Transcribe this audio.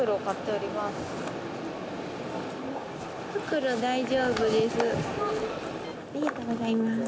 ありがとうございます。